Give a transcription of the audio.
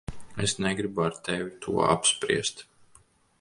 Es negribu ar tevi to apspriest.